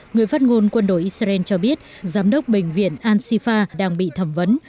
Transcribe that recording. người phát ngôn quân đội israel cho biết giám đốc bệnh viện al shifa đang bị thẩm vấn